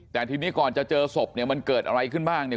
แต่ทีนี้ก่อนจะเจอศพเนี่ยมันเกิดอะไรขึ้นบ้างเนี่ย